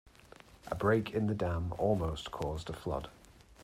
A break in the dam almost caused a flood.